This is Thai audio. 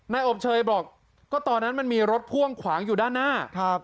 อบเชยบอกก็ตอนนั้นมันมีรถพ่วงขวางอยู่ด้านหน้าครับ